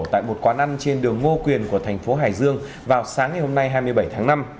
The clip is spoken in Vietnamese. tại một quán ăn trên đường ngô quyền của thành phố hải dương vào sáng ngày hôm nay hai mươi bảy tháng năm